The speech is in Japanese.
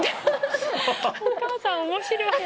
お母さん面白い。